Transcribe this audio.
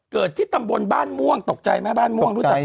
ที่ตำบลบ้านม่วงตกใจไหมบ้านม่วงรู้จัก